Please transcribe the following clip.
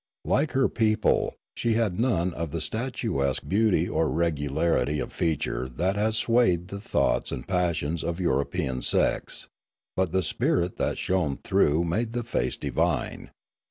Like her people, she had none of the statuesque beauty or moulded regularity of feature that has swayed the thoughts and passions of European sex; but the spirit that shone through made the face divine.